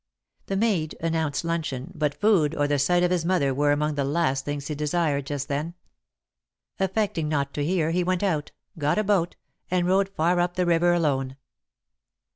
The maid announced luncheon, but food, or the sight of his mother were among the last things he desired, just then. Affecting not to hear, he went out, got a boat, and rowed far up the river alone.